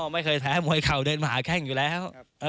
ไม่เคยแพ้มวยเข่าเดินหาแข้งอยู่แล้ว